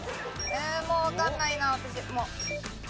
えーもうわかんないな私もう。